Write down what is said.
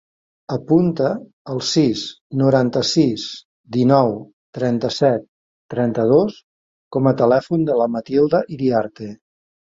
Apunta el sis, noranta-sis, dinou, trenta-set, trenta-dos com a telèfon de la Matilda Iriarte.